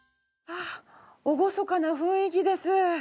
はあ厳かな雰囲気です。